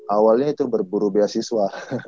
awalnya itu berburu beasiswa